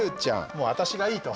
もう私がいいと。